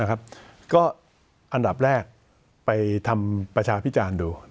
ก็อันดับแรกไปทำประชาพิจารณ์ดู